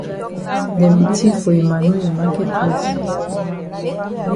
Dem be tif for Emmanu yi maket place.